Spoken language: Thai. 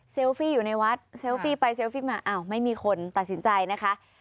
ฟี่อยู่ในวัดเซลฟี่ไปเซลฟี่มาอ้าวไม่มีคนตัดสินใจนะคะ